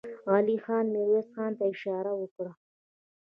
علی خان ميرويس خان ته اشاره وکړه.